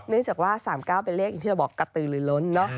เนื่องจากว่า๓๙เป็นเลขอย่างที่เราบอกกระตือหรือล้นเนอะ